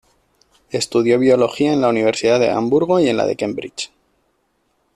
Estudió biología en la Universidad de Hamburgo y en la de Cambridge.